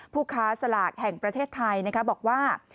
ผู้ค้าสลากแห่งประเทศไทยบอกว่า